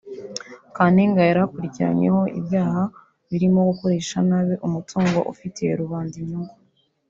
Kantengwa yari akurikiranyweho ibyaha birimo gukoresha nabi umutungo ufitiye rubanda inyungu